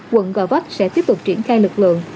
quận gò vấp sẽ tiếp tục triển khai lực lượng